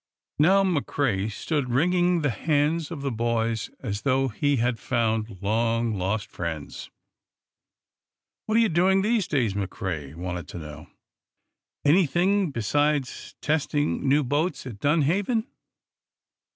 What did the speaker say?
Now, McCrea stood wringing the hands of the boys as though he had found long lost friends. "What are you doing these days?" McCrea wanted to know. "Anything besides testing new boats at Dunhaven?"